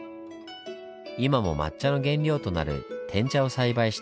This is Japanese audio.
今も抹茶の原料となる「碾茶」を栽培しています。